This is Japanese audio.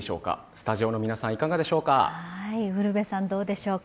スタジオの皆さん、いかがでしょうか？